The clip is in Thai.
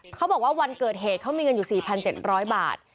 เขาบอกว่าวันเกิดเหตุเขามีเงินอยู่๔๗๐๐บาท